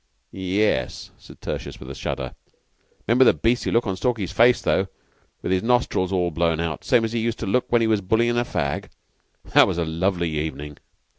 "Ye es," said Tertius, with a shudder. "'Member the beastly look on Stalky's face, though, with his nostrils all blown out, same as he used to look when he was bullyin' a fag? That was a lovely evening."